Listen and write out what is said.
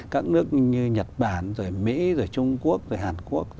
các nước như nhật bản rồi mỹ rồi trung quốc rồi hàn quốc